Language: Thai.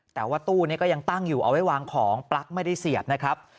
แต่ว่าตู้นี้ก็ยังตั้งอยู่เอาไว้วางของปลั๊กไม่ได้เสียบนะครับ